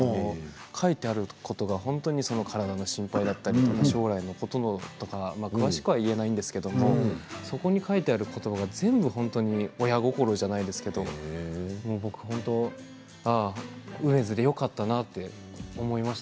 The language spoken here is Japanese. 書いてあることは体の心配とか将来のこととか詳しくは言えないんですけれどそこに書いてある言葉は全部本当に親心じゃないですけど梅津でよかったなと思いました。